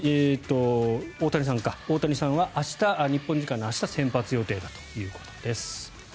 大谷さんは日本時間の明日先発ということです。